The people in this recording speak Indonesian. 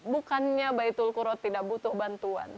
bukannya baitul qur tidak butuh bantuan